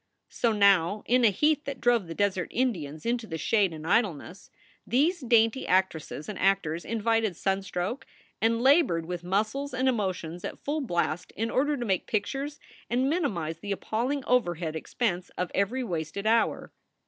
So now, in a heat that drove the desert Indians into the shade and idleness, these dainty actresses and actors invited sunstroke and labored with muscles and emotions at full blast in order to make pictures and minimize the appalling overhead expense of every wasted hour.